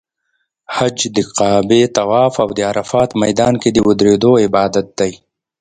حج د کعبې طواف او د عرفات میدان کې د ودریدو عبادت دی.